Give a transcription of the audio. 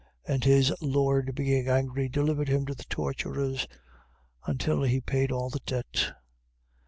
18:34. And his lord being angry, delivered him to the torturers until he paid all the debt.